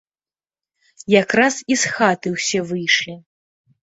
Якраз і з хаты ўсе выйшлі.